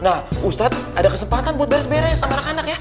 nah ustadz ada kesempatan buat beres beres sama anak anak ya